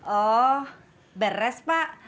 oh beres pak